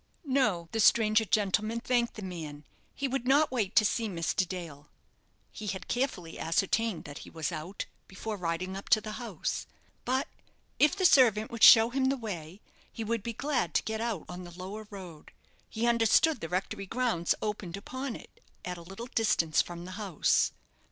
No, the stranger gentleman thanked the man; he would not wait to see Mr. Dale (he had carefully ascertained that he was out before riding up to the house); but if the servant would show him the way, he would be glad, to get out on the lower road; he understood the rectory grounds opened upon it, at a little distance from the house.